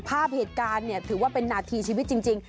ภาพเหตุการณ์เนี่ยถือว่าเป็นนาทีชีวิตจริง